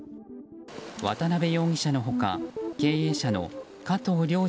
渡辺容疑者の他経営者の加藤亮二